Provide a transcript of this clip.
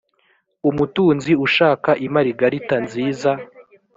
umutunzi ushaka imaragarita nziza